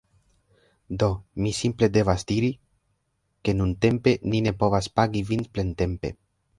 Do, mi simple devas diri, ke nuntempe ni ne povas pagi vin plentempe